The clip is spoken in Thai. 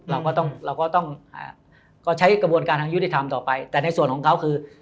เราก็ต้องเราก็ต้องก็ใช้กระบวนการทางยุติธรรมต่อไปแต่ในส่วนของเขาคือ